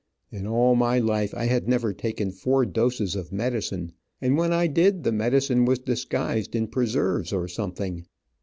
In all my life I had never taken four doses of medicine, and when I did the medicine was disguised in preserves or something.